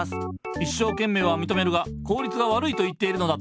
いっしょうけんめいはみとめるが効率が悪いと言っているのだ。